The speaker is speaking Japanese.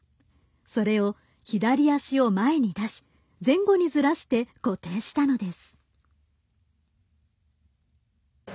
それを左足を前に出し前後にずらして固定したのです。